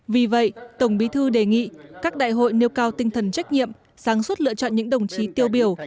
vì vậy tổng bí thư đề nghị các đại hội nêu cao tinh thần trách nhiệm sáng suốt lựa chọn những đồng chí tiêu biểu